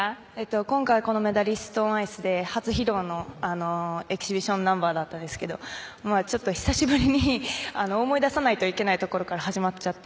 今回メダリスト・オン・アイスで初披露のエキシビションナンバーだったんですけどちょっと久しぶりに思い出さないといけないところから始まっちゃって。